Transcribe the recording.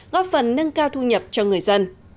góp phần nâng cao thu nhập cho người dân